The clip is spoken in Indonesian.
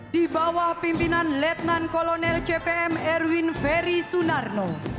dibawah pimpinan letnan kolonel cpm erwin ferry sunarno